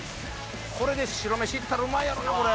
これで白飯いったらうまいやろな、これ。